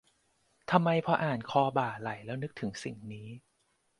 ทำไมพออ่าน "คอบ่าไหล่" แล้วนึกถึงสิ่งนี้